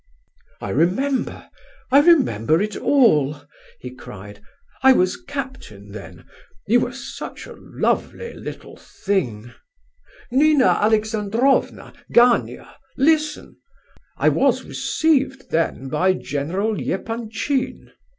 "I remember—I remember it all!" he cried. "I was captain then. You were such a lovely little thing—Nina Alexandrovna!—Gania, listen! I was received then by General Epanchin."